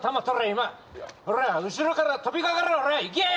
今ほら後ろから飛びかかれほらいけ！